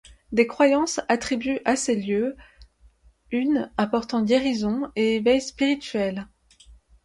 Des croyances attribuent à ces lieux une apportant guérison et éveil spirituel.